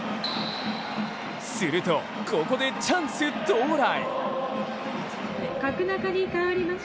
するとここでチャンス到来。